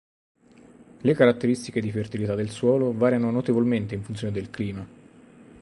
Le caratteristiche di fertilità del suolo variano notevolmente in funzione del clima.